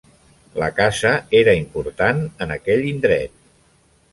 La caça era important en aquell indret.